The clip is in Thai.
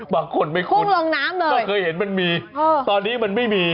บางคนไม่คุ้นถ้าเคยเห็นมันมีตอนนี้มันไม่มี